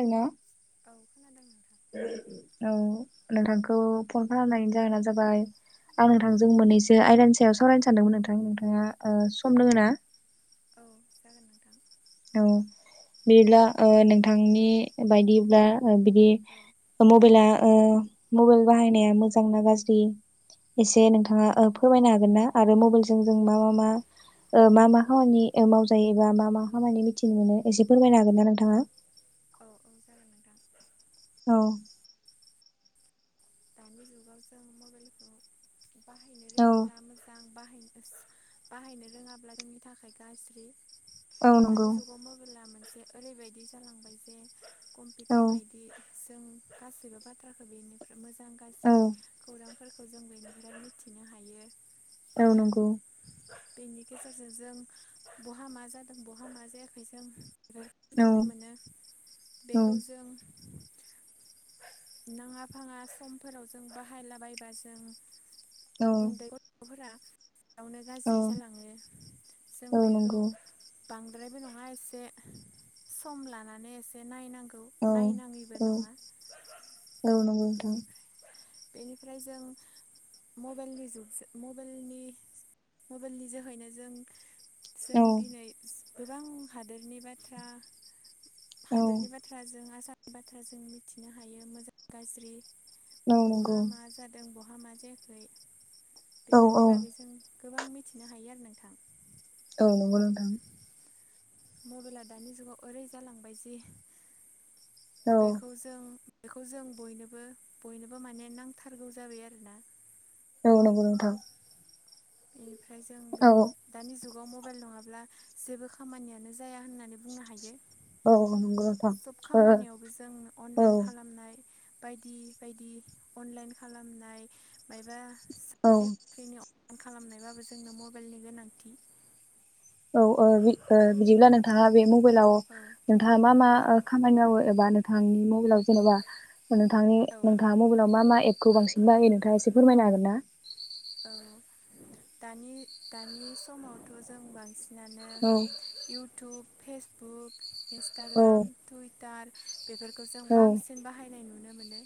आइना औ खोनादों नोंथां औ नोंथांखौ फन खालामनायनि जाहोना जाबाय आं नोंथांजों मोननैसो आयदानि सायाव सावरायनो सानदोंमोन नोंथां नोंथाङा ओ सम दोङोना औ जागोन नोंथां औ बिब्ला ओ नोंथांनि बायदिब्ला बिदि औ मबेला ओ मबेल बाहायनाया मोजांना गाज्रि इसे नोंथाङा ओ फोरमायनो हागोना आरो मबेलजों जों मा मा मा ओ मा मा खामानि ओ मावजायोबा मा मा खामानि मिथिनो मोनो एसे फोरमायनो हागोनना नोंथाङा औ औ जागोन नोंथां औ दानि जुगाव जों मबेलखौ बाहायनो औ रोङोब्ला मोजां बाहायनो ओस बाहायनो रोङाब्ला जोंनि थाखाय गाज्रि औ दानि नंगौ जुगाव मबेला मोनसे ओरैबायदि जालांबाय जे औ कम्पिटार बायदि जों गासैबो बाथ्राखो बेनिफ्राय मोज मोजां औ गाज्रि खौरांफोरखौ जों बेनिफ्राय मिथिनो हायो औ नंगौ बेनि गेजेरजों जों बहा मा जादों बहा मा जायाखै जों औ मिथिनो मोनो औ बेखौ जों नाङा फाङा समफोराव जों बाहायला बायबा जों औ उन्दै गथ'फोरा बेयावनो औ गाज्रि जालाङो जों औ बेखौ नंगौ बांद्रायबो नङा एसे सम लानानै एसे नायनांग औ औ औ नंगौ नोथां बेनिफ्राय बेनिफ्राय जों मबेलनि जुगजो मबेलनि मबेलनि जोहैनो जों जों औ दिनै स गोबां हादोरनि बाथ्रा औ हादोरनि बाथ्राजों आसामनि बाथ्राजों मिथिनो हायो मोजां गाज्रि औ नंगौ बहा मा जादों बहा मा जायाखै औ औ बेफोरनि बागै जों गोबां मिथिनो हायो आरो नोंथां औ नंगौ नोंथां मबेला दानि जुगाव ओरै जालांबाय जिह औ बेखौ जों बेखौ जों बयनोबो बयनोबो माने नांथारगौ जाबाय आरोना औ नंगौ नोंथां बिनिफ्राय जों औ बेखौ दानि जुगाव मबाइल नङा ब्ला जेबो खामानियानो जाया होननानै बुंनो हायो औ नंगो सब खामानियावबो जों अनलाइन खालामनाय बायदि बायदि अनलाइन खालामनाय मायबा औ साख्रि बाख्रिनि अ अन खालामनायबाबो जोंनो मबाइलनि गोनांथि औ ओ बि ओ बिदिब्ला नोंथाङा बे मबाइलाव औ नोंथाङा मा मा ओ खामानि मावो एबा नोंथांनि मबेलाव जेनेबा मो नोंथांनि औ नोंथाङा मबेलाव मा मा एब खौ बांसिन बाहायो नोंथाङा एसे फोरमायनो हागोनना औ दानि दानि समावथ' जों बांसि नानो औ इउटुब फेसबुक औ इन्सटाग्राम टुइटार बेफोरखौ जों औ बांसिन बाहायनाय नुनो मोनो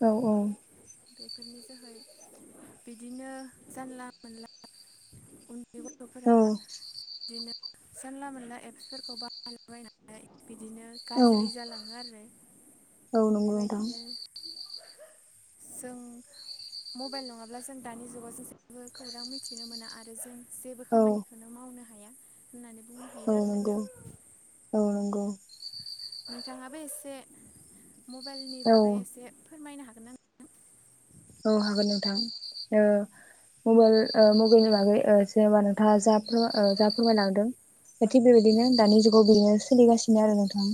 औ औ बेफोरनि जोहै बिदिनो जानला मोनला उन बे गथ'फोरा औ बिदिनो जानला मोनला एप्सफोरखौ बाहानायलाबायनानै बिदिनो औ गाज्रि जालाङो आरो औ नंगौ नोंथां बेबायदिनो जों मबाइल नङाब्ला जों दानि जुगाव जों जेबो खौरां मिथिनो मोना आरो जों जेबो औ खामानिखौनो मावनो हाया होननानै बुंनो औ हायो नंगौ नोंथां औ नंगौ नोंथाङाबो एसे मबाइलनि औ बागै एसे फोरमायनो हागोन ना नोंथां औ हागोन नोंथां ओ मबाइल ओ मबाइलनि बागै ओ जेनेबा नोंथाङा जा जा फोरमायलांदों थिग बेबायदिनो दानि जुगाव बेदनो सोलिगासिनो आरो नोंथां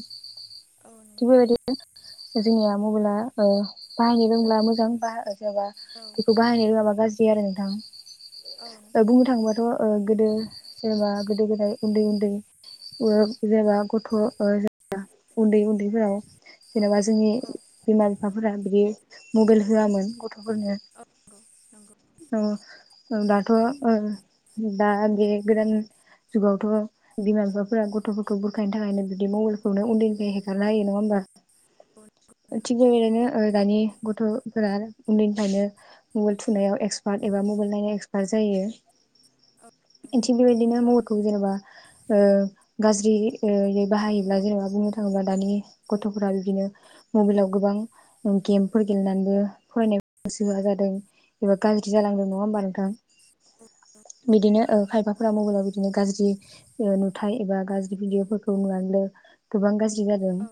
औ थिख नोंथां बेबादिनो जोंनिया मबाइला ओ बाहायनो रोंब्ला मोजां बाहा ओ जेनबा औ बेखौ बाहायनो रोङाबा गाज्रि आरो नोंथां ओ नोंथां बुंनो थाङोबाथ' ओ गोदो जेनेबा गोदो गोदाय उन्दै उन्दै जेनेबा गथ' ओ उन्दै उन्दैफोराव जेन'बा जोंनि बिमा बिफाफोरा बिदि मबाइल होआमोन गथ'फोरनो औ नंगौ औ ओ दाथ'ओ दा गे गोदान जुगावथ' बिमा बिफाफोरा गथ'फोरखौ बुरखायनो थाखायनो बिदि मबाइल खौनो उन्दैनिफ्राय हेगारना हायो नङा होमबा [unintelligible] थिग बेबायदिनो ओ दानि गथ'फोरा उन्दैनिफ्रायनो मबाइल थुनायाव एक्सपार्ट एबा मबाइल नायनायाव एक्सपार्ट जायो [inaudible] थिग बेदिनो महरखौ जेनेबा ओ गाज्रि बाहायो ब्ला जेनेबा बुंनो थाङोब्ला दानि गथ'फोरा बिदिनो मबाइलाव गोबां गेम फोर गेलेनानै फरायनायाव गोसो होया जादों एबा गाज्रि जालांदों नङा होमबा नोंथां [inaudible] बिदिनो ओ खायफाफोरा मबाइलाव बिदिनो गाज्रि नुथाय एबा गाज्रि भिडिअ'फोरखौ नुनानदो गोबां गाज्रि जादों औ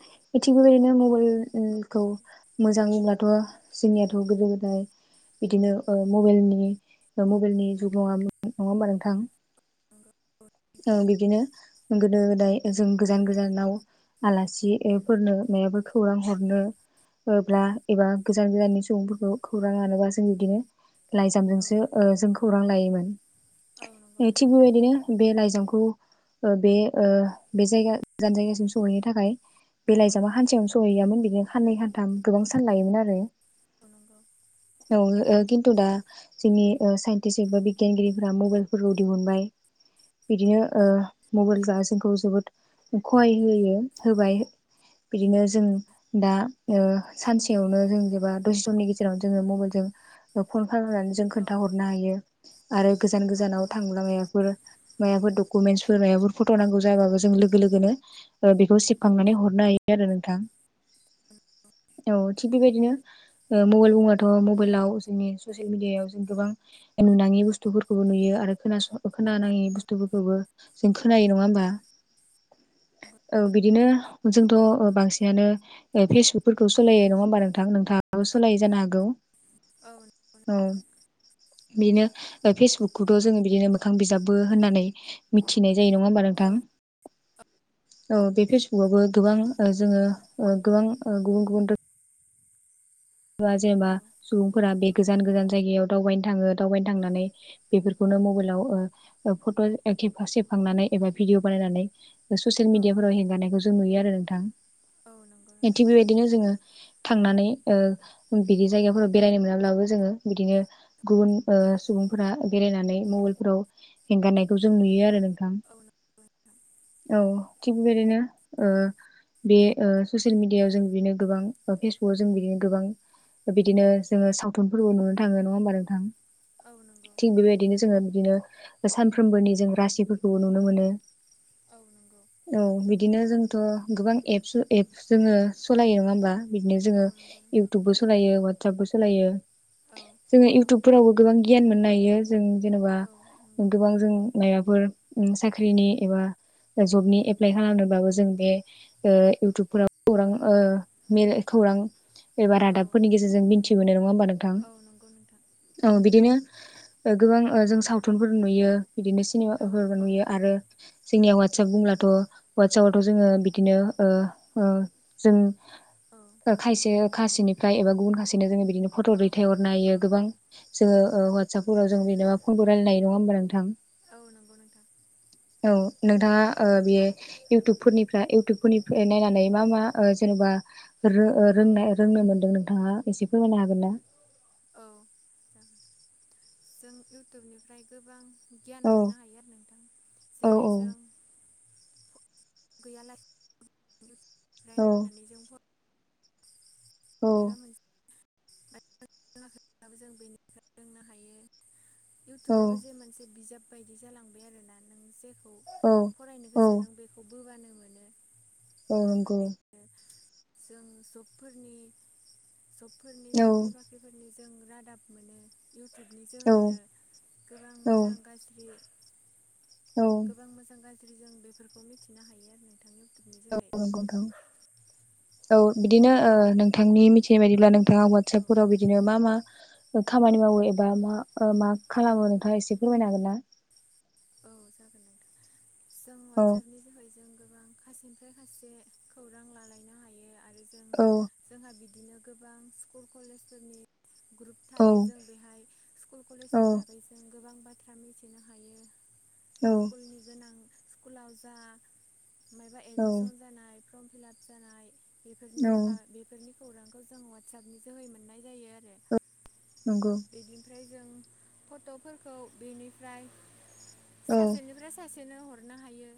थिग बेबायदिनो मबाइल खौ नंगौ मोजांब्लाथ' जोंनियाथ' गोदो गोदाय बिदिनो ओ मबलनि मबाइलनि जुग नङामोन नङा होमबा नोंथां नंगौ औ बिदिनो गोदो गोदाय जों गोजान गोजानाव आलासिफोरनो माबाफोर खौरां हरनो ओ औ नोंथां औ ब्ला एबा गोजान गोजाननि सुबुंफोरखौ खौरां लानोबा जों बिदिनो औ लाइजामजोंसो ओ जों खौरां लायोमोन औ नंगौ थिग बेबायदिनो बे लाइजाम खौ बे ओ बे जायगा गोजान नोंथां जायगासिम सहैनो थाखाय बे औ लाइजामा हानसेयावनो सहैयामोन बेदि साननै सानथाम गोबां सान लायोमोन आरो नंगौ औ नंगौ औ ओ खिन्थु दा जोंनि ओ साइन्टिस्ट एबा बिगियानगिरिफोरा मबाइल फोरखौ दिहुनबाय बिदिनो ओ मबाइलफ्रा जोंखौ जोबोद खहाय होयो होबाय बिदिनो जों दा ओ सानसेयावनो जों जेबा दसेथननि गेजेरावनो जोङो मबाइल जों फन खालामनानै जों औ खोन्थाहरनो हायो आरो गोजान गोजानाव थां लामायाफोर माबाफोर दकुमेन्फोर माबाफोर फथ' नांगौ जाबो जों लोगो लोगोनो बेखौ सेबखांनानै हरनो हायो नोंथां [inaudible] औ थिग बेबायदिनो ओ मबाइल बुंबाथ' मबाइलाव जोंनि ससियेल मिडियायाव जों गोबां नुनाङै बुस्थुफोरखौबो नुयो आरो खोनास खोनाङि बुस्थुफोरखौबो जों खोनायो नङा होमबा [inaudible] औ बिदिनो जोंथ' बांसिनानो फेसबुकफोरखौ सालायो नङा होमबा नोंथां नोंथां सोलाय जानो हागौ औ बिनो फेसबुकखौथ' जोङो बिदिनो मोखां बिजाबबो होननानै मिथिनाय जायो नङा होमबा नोंथां? औ बे फेसबुकआवबो गोबां ओ जोङो ओ गोबां ओ गुबुन गुबुन रोखोम जबा जेनबा सुबुंफोरा बे गोजान गोजान जायगायाव दावबायनो थाङो दावबायनो थांनानै बेफोरखौनो मबाइलाव ओ फट' सेबखांनानै एबा भिडिअ बानायनानै ससियेल मिडियाफोराव हेंगारनायखौ जों नुयो आरो नोंथां औ नंगौ नोंथां औ थिग बेबायदिनो जोङो थांनानै ओ बिदि जायगाफोराव बेरायनो मोनाब्लाबो जोङो बिदिनो गुबुन ओ सुबुंफोरा बेराय नानै मबाइल फोराव हेगारनायखौ जों नुयो आरो नोंथां नंगौ औ औ औ थिग बेबायदिनो ओ बे ओ सियेल मिडियायाव जों बिदिनो गोबां फेसबुकआव जों बिदिनो गोबां बिदिनो जोङो सावथुनफोरबो नुनो थाङो नङा होमबा नोंथां औ नंगौ नोंथां औ नंगौ नोंथां औ नंगौ थिग बेबायदिनो जोङो बिदिनो सानफ्रोमबोनि जों रासिफोरखौबो नुनो मोनो औ नंगौ औ बिदिनो जों थ' गोबां एप-एप जोङो सालायो नङा होमबा बिदिनो औ जोङो नंगौ नोंथां बो सालायो वासपबो स औ जों इउटुबफोराव गोबां गियान मोननो हायो जों जेनेबा औ नंगौ गोबां जों माबाफोर साख्रिनि एबा जबनि एप्लाइ खालामनोबाबो जों बे ओ इउटुबफोराव खौरां ओ मे खौरां एबा औ रादाबफोरनि गेजेरजों मिथि मोनो नङा होमबा नोंथां औ नंगौ नोंथां औ बिदिनो ओ गोबां जों सावथुनफोर नुयो बिदिनो औ सिनेमाफोर नंगौ नुयो आरो जोंनि आ वाटसप बुंब्लाथ' वाट्सपआवथ' जोङो बिदिनो जों ओ ओ जों औ खायसे खासेनिफ्राय एबा गुबुन खासेनो जोङो बिदिनो फट' औ दैथायहरनो हायो गोबां जोङो ओ हुवाटसपफोराव जों जेनेबा फनखौ रायनाय नङा होमबा नोंथां? औ नंगौ नोंथां। औ नोंथाङा ओ बेयो इउटुबफोरनिफ्राय इउटुबफोरनिफ्राय नायनानै मा मा जेनेबा रों-रोंनो मोन्दों नोंथाङा एसे फोरमायनो हागोन ना? औ जों इउटुबनिफ्राय गोबां गियान औ मोननो हायो आरो नोंथां औ जेरै औ जों [unintelligible] औ नायनानै औ [unintelligible] इउटुबाबबो जे मोनसे बिजाब बायदि जालांबाय आरो ना नों जे औ फरायनो औ गोसो नों बेखौ बोबानो मोनो औ नोंगौ ओमफ्राय जों जबफोरनि जबफोरनि औ साख्रि बाख्रिफोरनि जों रादाब मोनो इ इउटुबनि औ जोहैनो गोबां औ मोजां गाज्रि औ गोबां मोजां गाज्रि जों बेफोरखौ मिथिनो हायो आरो नों औं नोंगौ नोंथां औ बिदिनो ओ नों नोंथांनि मिथिनाय बायदिब्ला नोंथाङा औ उवाट्सापफोराव बिदिनो मा मा खामानि मावो एबा मा मा मा खालामो नोंथाङा एसे फोरमायनो हागोन ना? औ जागोन नोंथां जों औ वाट्सापनि जोहै जों गोबां खासेनिफ्राय खासे खौरां लालायनो हायो आरो जों औ जोंहा बि बिदिनो गोबां स्कुल कलेजफोरनि ग्रुप औ थायो जों बेहाय स्कुल औ कलेजनि बागै जों गोबां बाथ्रा मिथिनो हायो औ सकुलनि गोनां स्कुलाव जा मबा औ एडमिसन जानाय फर्म फिलाप जानाय बेफोरनि औ बा बेफोरनि खौरांखौ जों वाट्सपनि जोहै मोननाय जायो आरो नंगौ बिनिफ्राय जों फट'फोरखौ बेनिफ्राय औ सासेनिफ्राय सासे एसेनो हरनो हायो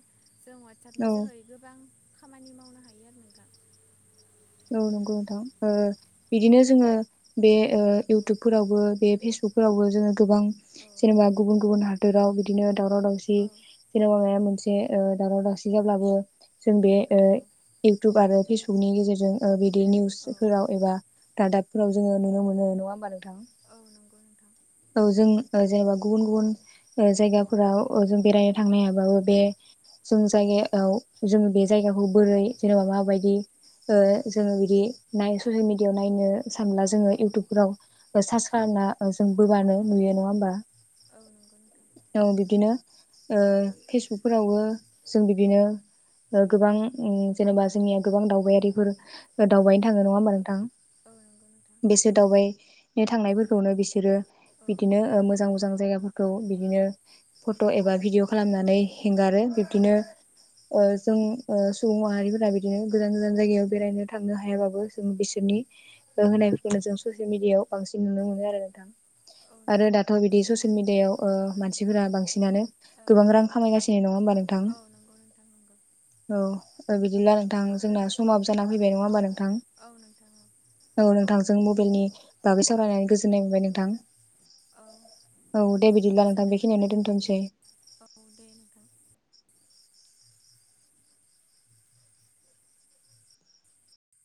जों वाट्सपनि औ जोहै गोबां खामानि मावनो हायो आरो नों दा औ नंगौ नोंथां बिदिनो जोङो बे औ इउटुबफोरावबो बे फेसबु सौफोरावबो जोङो गोबां औ जेनेबा गुबुन गुबुन हादोराव बिदिनो दावर दावसि औ जबा माया मोन दावाव दावसि जाबबो ज औ बेउुब आरो फेसबुकनि गेजेर जों बिदि औ निउसफोराव एबा रादाबफोराव जोङो नुनो मोन नङा होमबानो दां औ नंगौ नोंथां औ जों जेनेबा गुबुन गुबुन जायगाफोराव जों बेरायनो औ थांनायाबाबो बे जों जायगायाव जों बे जायगाखौ बोरै जेनेबा औ माबायदि ओ जोङो बिदि नाय ससियेल मिडियायाव नायनो सानब्ला औ जोङो इयउटुबफोराव सार्च खालाम जों बोबानो नुयो नङा होमबा औ नंगौ नोंथां औ बिदिनो फेसबुकफोरावबो जों बिदिनो गोबां जेनेबा जोंनिया गोबां दावबायारिफोर औ दावबायनो थाङो नङा होमबा नोंथां औ नंगौ नोंथां बेसोर दावबाय थांनायफोरखौनो बिसोरो औ बिदिनो मोजां मोजां जायगाफोरखौ बिदिनो फट' एबा भिडिअ खालामनानै हंगारो औ औ बिब्दिनो जों सुबुं माहारिफोरा बिदिनो गोजान गोजान जायगायाव बेरायनो थांनो हायाबाबो जों बिसोरनि होनायखौनो जों ससिेल मिडिया आआव बांसिन नुनो मोनो आरो नोंथां औ आरो नंगौ दाथ' बिदि ससियेल मिडियायाव मानसिफोरा बांसिनानो औ गोबां रां खामायगासिनो नङा होमबा नोंथां औ नंगौ नोंथां नंगौ औ बिदि बिदिला नोंथां जोंना समाब जाना औ फैबाय नङा हबा नोंथां औ नोंथां औ औ नोंथां मबेल नि बागै सावरायनानै गोजोननाय मोनबाय नोंथां औ औ आंबो दे बिदिब्ला नोंथां गोजोननाय बेखिनियावनो मोनबाय नोंथां दोनथ'नोसै। औ दे नोंथां